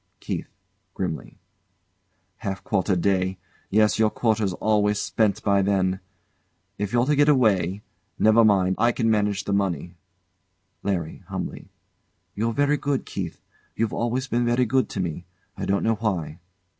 KEITH. [Grimly] Half quarter day yes, your quarter's always spent by then. If you're to get away never mind, I can manage the money. LARRY. [Humbly] You're very good, Keith; you've always been very good to me I don't know why.